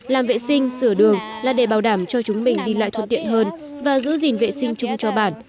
làm vệ sinh sửa đường là để bảo đảm cho chúng mình đi lại thuận tiện hơn và giữ gìn vệ sinh chung cho bản